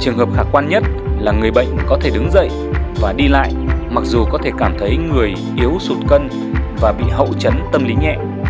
trường hợp khả quan nhất là người bệnh có thể đứng dậy và đi lại mặc dù có thể cảm thấy người yếu sụn cân và bị hậu chấn tâm lý nhẹ